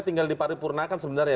tinggal diparipurnakan sebenarnya